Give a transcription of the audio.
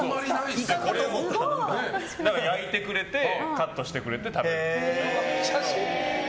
すごい。焼いてくれてカットしてくれて食べるんですよ。